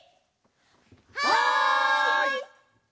はい！